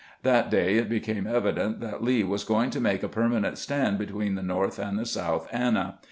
That day it became evident that Lee was going to make a permanent stand between the North and the South Anna.